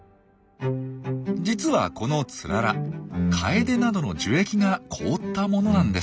実はこのツララカエデなどの樹液が凍ったものなんです。